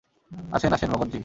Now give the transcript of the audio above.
আসেন, আসেন ভগতজি।